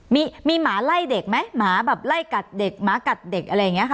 มีมีหมาไล่เด็กไหมหมาแบบไล่กัดเด็กหมากัดเด็กอะไรอย่างนี้ค่ะ